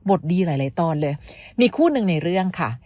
ดีหลายตอนเลยมีคู่หนึ่งในเรื่องค่ะ